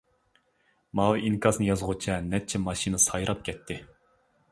ماۋۇ ئىنكاسنى يازغۇچە نەچچە ماشىنا سايراپ كەتتى.